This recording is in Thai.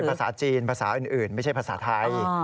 ภาษาจีนภาษาอื่นไม่ใช่ภาษาไทย